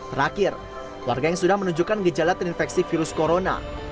terakhir warga yang sudah menunjukkan gejala terinfeksi virus corona